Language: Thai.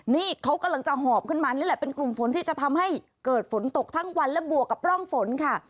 นี่เขากำลังจะหอบขึ้นมานี่แหละเป็นกลุ่มฝนที่จะทำให้เกิดฝนตกทั้งวันและบวกกับร่องฝนค่ะ